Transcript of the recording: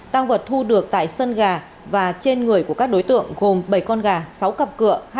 tăng vật thu được tại sân gà và trên người của các đối tượng gồm bảy con gà sáu cặp cửa